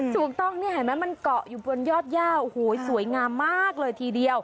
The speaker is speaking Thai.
ถูกต้องนี่เห็นไหมมันเกาะอยู่บนยอดย่าโอ้โหสวยงามมากเลยทีเดียว